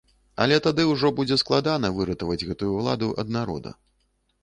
Але тады ўжо будзе складана выратаваць гэтую ўладу ад народа.